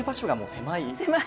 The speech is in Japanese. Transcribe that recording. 狭い。